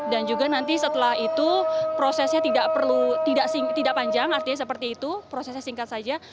dan juga nanti setelah itu prosesnya tidak panjang artinya seperti itu prosesnya singkat saja